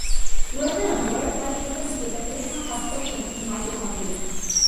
Rotenone works by interfering with the electron transport chain in mitochondria.